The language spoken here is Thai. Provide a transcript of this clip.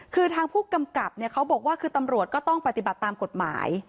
คือทางผู้กำกับเขาบอกว่าคือตำรวจก็ต้องปฏิบัติตามกฎหมาย